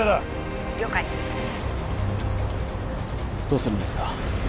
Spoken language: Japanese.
☎了解どうするんですか？